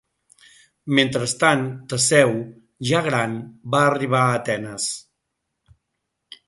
Mentrestant, Teseu, ja gran, va arribar a Atenes.